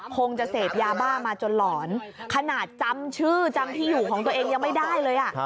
คงจะเสพยาบ้ามาจนหลอนขนาดจำชื่อจำที่อยู่ของตัวเองยังไม่ได้เลย